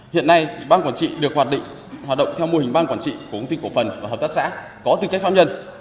hiện nay ban quản trị được hoạt định hoạt động theo mô hình ban quản trị của công ty cổ phần và hợp tác xã có tư cách pháp nhân